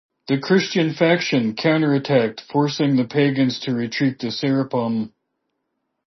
The Christian faction counter-attacked, forcing the pagans to retreat to the Serapeum.